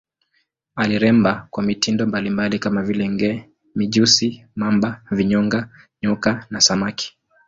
Aliremba kwa mitindo mbalimbali kama vile nge, mijusi, mamba, vinyonga, nyoka na samaki.